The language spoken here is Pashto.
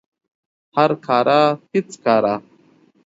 هر کاره هیڅ کاره